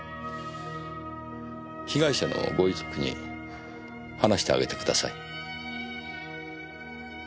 被害者のご遺族に話してあげてください。